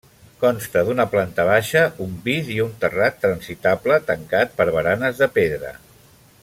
Consta d'una planta baixa, un pis i un terrat transitable tancat per baranes de pedra.